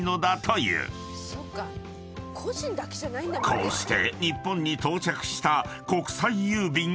［こうして］